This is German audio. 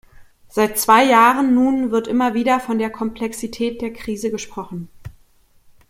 Seit zwei Jahren nun wird immer wieder von der Komplexität der Krise gesprochen.